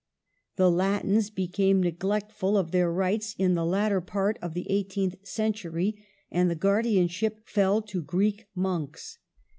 The Latins became neglectful of their rights in the latter part of the eighteenth century, and the guardianship fell to Greek monks.